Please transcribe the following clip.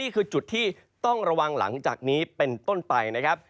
คือจุดที่ต้องระวังหลังจากนี้เป็นต้นไปนะครับ